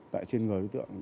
tại trên người đối tượng